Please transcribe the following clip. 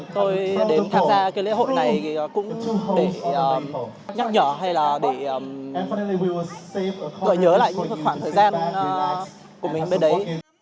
tôi đến tham gia cái lễ hội này cũng để nhắc nhở hay là để gọi nhớ lại những khoảng thời gian của mình bên đấy